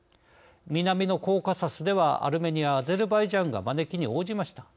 南のコーカサスではアルメニア、アゼルバイジャンが招きに応じました。